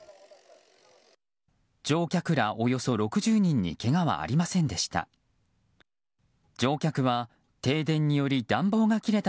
乗客らおよそ６０人にけがはありませんでした。